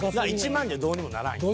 １万じゃどうにもならんよ。